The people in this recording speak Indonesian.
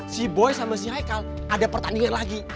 si boy sama si haikal ada pertandingan lagi